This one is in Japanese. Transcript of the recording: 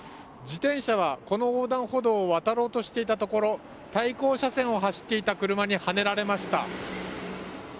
自転車は、この横断歩道を渡ろうとしていたところ対向車線を走っていた車にはねられました。